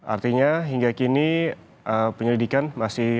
artinya hingga kini penyelidikan masih